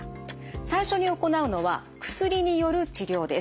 最初に行うのは薬による治療です。